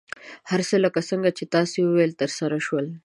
هر څه لکه څنګه چې تاسو وویل، ترسره شول.